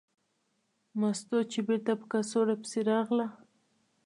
مستو چې بېرته په کڅوړه پسې راغله.